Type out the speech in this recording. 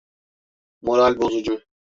Moral bozucu.